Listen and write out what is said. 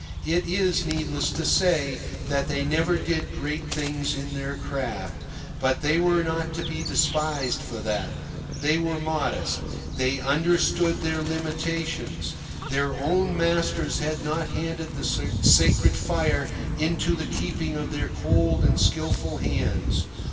It is needless to say that they never did great things in their craft; but they were not to be despised for that. They were modest; they understood their limitations. Their own masters had not handed the sacred fire into the keeping of their cold and skilful hands.